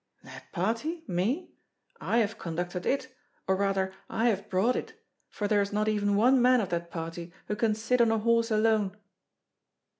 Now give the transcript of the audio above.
"That party? Me? I have conducted it, or rather I have brought it, for there is not even one man of that party who can sit on a horse alone."